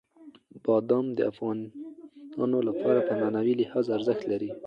بادام د افغانانو لپاره په معنوي لحاظ ارزښت لري.